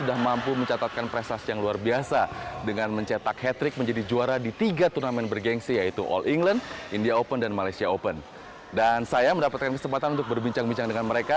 dan saya mendapatkan kesempatan untuk berbincang bincang dengan mereka